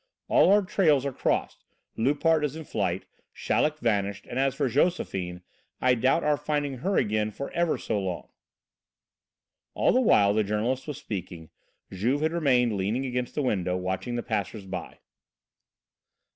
All our trails are crossed. Loupart is in flight, Chaleck vanished, and as for Josephine, I doubt our finding her again for ever so long." All the while the journalist was speaking, Juve had remained leaning against the window, watching the passers by.